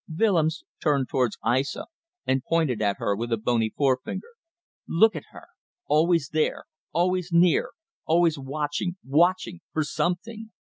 Willems turned towards Aissa and pointed at her with a bony forefinger. "Look at her! Always there. Always near. Always watching, watching ... for something.